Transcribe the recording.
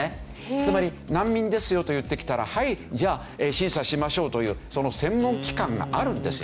つまり「難民ですよ」と言ってきたら「はいじゃあ審査しましょう」というその専門機関があるんですよ。